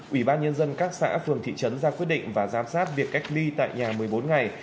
ủy ban nhân dân các xã phường thị trấn ra quyết định và giám sát việc cách ly tại nhà một mươi bốn ngày